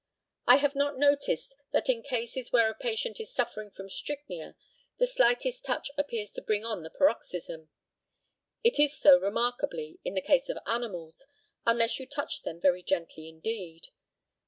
I have not noticed that in cases where a patient is suffering from strychnia the slightest touch appears to bring on the paroxysm. It is so remarkably in the case of animals, unless you touch them very gently indeed.